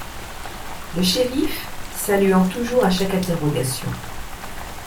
Le shériff, saluant toujours à chaque interrogation